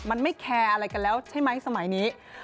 มันไม่แคร์อะไรกันแล้วใช่ไหมสมัยนี้